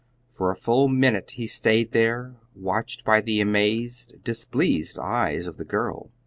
For a full minute he stayed there, watched by the amazed, displeased eyes of the girl.